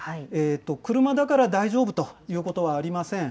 車だから大丈夫ということはありません。